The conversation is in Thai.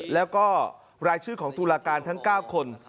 แล้วก็รายชื่อของตุลาการทั้ง๙คน